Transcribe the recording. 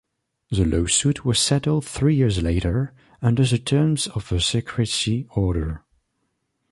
The lawsuit was settled three years later, under the terms of a secrecy order.